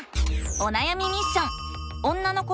おなやみミッション！